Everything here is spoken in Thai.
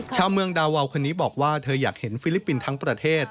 ชาวเมืองดาวาวคนนี้บอกว่าเธออยากเห็นฟิลิปปินส์ทั้งประเทศ